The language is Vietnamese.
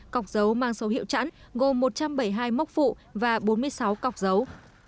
cọc dấu mang số hiệu chẵn gồm một trăm bảy mươi hai mốc phụ và bốn mươi sáu cọc dấu